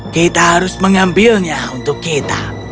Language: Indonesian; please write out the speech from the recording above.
kita harus mengambilnya untuk kita